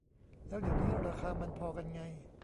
แล้วเดี๋ยวนี้ราคามันพอกันไง